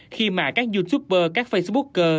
khi mà các youtuber các facebooker